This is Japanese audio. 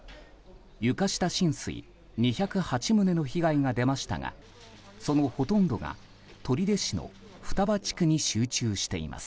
床下浸水２０８棟の被害が出ましたがそのほとんどが、取手市の双葉地区に集中しています。